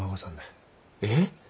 えっ！